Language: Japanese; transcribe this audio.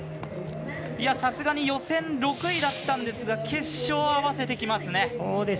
さすがに予選６位だったんですが決勝は合わせてきますね。